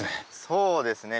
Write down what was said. そうですね